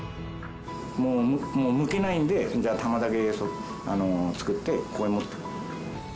もうむけないんで玉だけ作ってここへ持ってくる。